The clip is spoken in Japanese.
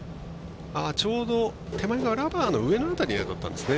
ちょうどラバーの上の辺りに当たったんですね。